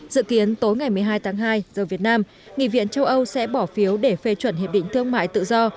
dự kiến tối ngày một mươi hai tháng hai giờ việt nam nghị viện châu âu sẽ bỏ phiếu để phê chuẩn hiệp định thương mại tự do